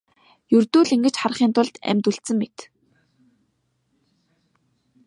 Ердөө л ингэж харахын тулд амьд үлдсэн мэт.